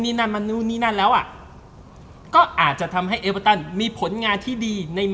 นี่นั่นมันนู่นนี่นั่นแล้วอ่ะก็อาจจะทำให้เอเวอร์ตันมีผลงานที่ดีใน